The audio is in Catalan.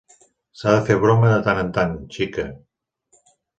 S’ha de fer broma de tant en tant, xica.